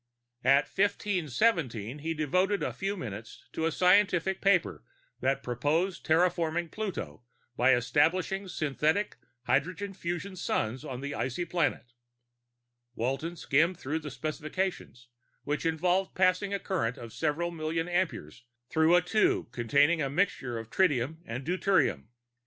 At 1517 he devoted a few minutes to a scientific paper that proposed terraforming Pluto by establishing synthetic hydrogen fusion suns on the icy planet. Walton skimmed through the specifications, which involved passing a current of several million amperes through a tube containing a mixture of tritium and deuterium.